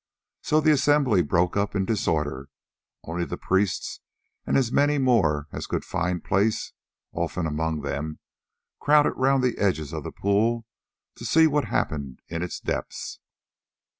So the assembly broke up in disorder; only the priests and as many more as could find place, Olfan among them, crowded round the edges of the pool to see what happened in its depths.